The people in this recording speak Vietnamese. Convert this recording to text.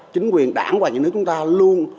chính quyền đảng và nhà nước chúng ta luôn